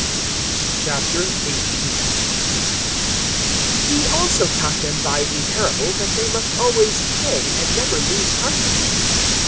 018:001 He also taught them by a parable that they must always pray and never lose heart.